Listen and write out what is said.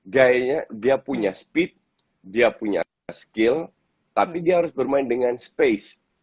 gayanya dia punya speed dia punya skill tapi dia harus bermain dengan space